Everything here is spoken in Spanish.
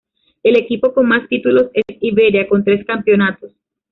El equipo con más títulos es Iberia, con tres campeonatos.